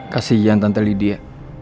kasian tante lydia